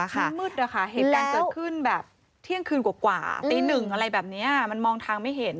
มืดนะคะเหตุการณ์เกิดขึ้นแบบเที่ยงคืนกว่าตีหนึ่งอะไรแบบนี้มันมองทางไม่เห็น